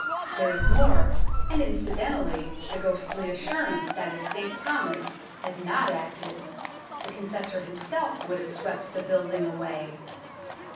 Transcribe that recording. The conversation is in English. There is more, and incidentally the ghostly assurance that if St. Thomas had not acted, the Confessor himself would have swept the building away.